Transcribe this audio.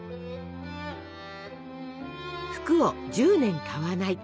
「服を１０年買わない」。